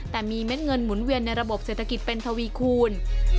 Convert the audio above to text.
แต่มีเม็ดเงินหมุนเวียนในระบบเศรษฐกิจเป็นทวีคูณ